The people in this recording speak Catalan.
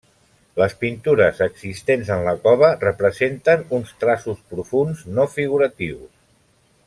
Les pintures existents en la cova representen uns traços profunds no figuratius.